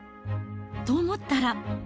と思ったら。